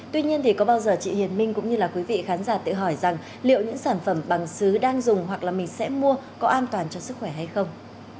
tuy nhiên thì có bao giờ chị hiền minh cũng như là quý vị khán giả tự hỏi rằng liệu những sản phẩm bằng xứ đang dùng hoặc là mình sẽ mua có an toàn cho sức khỏe hay không